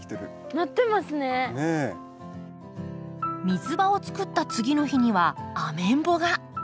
水場を作った次の日にはアメンボが。